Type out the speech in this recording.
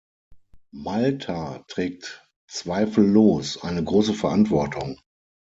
Malta trägt zweifellos eine große Verantwortung.